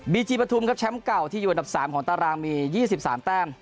จีปฐุมครับแชมป์เก่าที่อยู่อันดับ๓ของตารางมี๒๓แต้ม